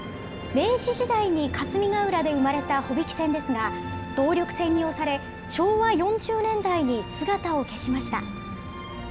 明治時代に霞ケ浦で生まれた帆引き船ですが、動力船に押され、昭和４０年代に姿を消しました。